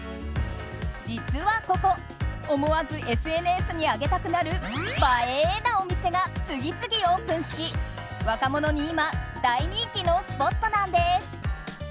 実はここ、思わずＳＮＳに上げたくなる映えーなお店が次々オープンし、若者に今大人気のスポットなんです。